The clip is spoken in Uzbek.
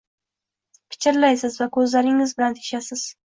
Pichirlaysiz va ko‘zlaringiz bilan teshasiz.